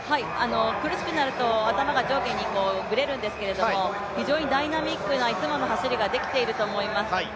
苦しくなると頭が上下にぶれるんですけど非常にダイナミックないつもの走りができていると思います。